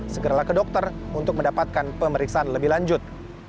segeralah ke dokter untuk mendapatkan pemeriksaan lebih lanjut